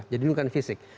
jadi bukan fisik